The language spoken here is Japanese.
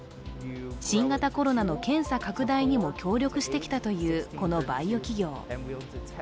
新型コロナの検査拡大にも協力してきたという、このバイオ企業。